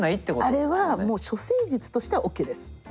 あれはもう処世術としてはＯＫです。